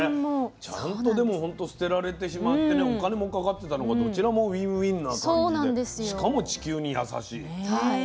ちゃんとでもほんと捨てられてしまってお金もかかってたのがどちらもウィンウィンな感じでしかも地球に優しい。